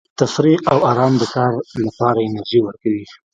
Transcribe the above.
تفریح او ارام د کار لپاره انرژي ورکوي.